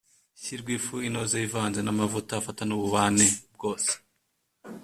shyi rw ifu inoze ivanze n amavuta afate n ububani bwose